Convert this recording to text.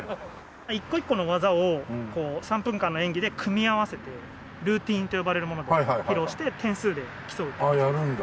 １個１個の技を３分間の演技で組み合わせてルーティーンと呼ばれるもので披露して点数で競う。